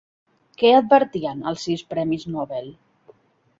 Què advertien els sis premis Nobel?